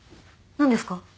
何ですか？